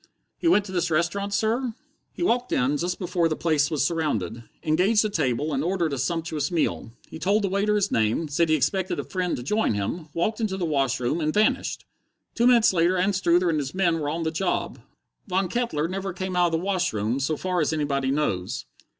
_" "He went to this restaurant, sir?" "He walked in, just before the place was surrounded, engaged a table, and ordered a sumptuous meal. He told the waiter his name, said he expected a friend to join him, walked into the wash room and vanished! Two minutes later Anstruther and his men were on the job. Von Kettler never came out of the wash room, so far as anybody knows.